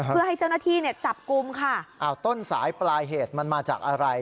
เพื่อให้เจ้าหน้าที่เนี่ยจับกลุ่มค่ะอ้าวต้นสายปลายเหตุมันมาจากอะไร